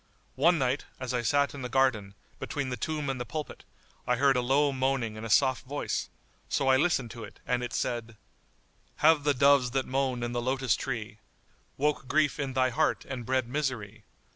One night, as I sat in the garden,[FN#80] between the tomb and the pulpit, I heard a low moaning in a soft voice; so I listened to it and it said, "Have the doves that moan in the lotus tree * Woke grief in thy heart and bred misery?